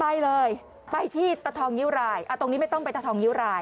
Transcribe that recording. ไปเลยไปที่ตะทองเยี๊วหลายตรงนี้ไม่ต้องไปตะทองเยี๊วหลาย